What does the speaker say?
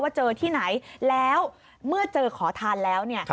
เจอที่ไหนแล้วเมื่อเจอขอทานแล้วเนี่ย